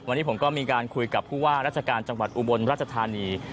วันนี้ผมก็มีการคุยกับผู้ว่าราชการจังหวัดอุบลราชธานี